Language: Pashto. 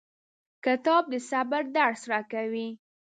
کتاب د صبر درس راکوي.